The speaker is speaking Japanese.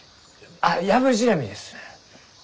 ヤブジラミです。